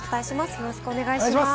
よろしくお願いします。